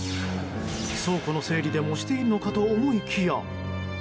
倉庫の整理でもしているのかと思いきや。